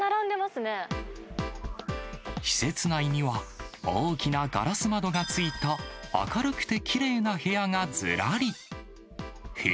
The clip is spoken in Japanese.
施設内には、大きなガラス窓がついた、明るくてきれいな部屋がずらり。